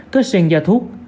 cơ xuyên do thuốc